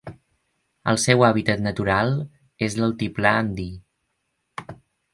El seu hàbitat natural és l'altiplà andí.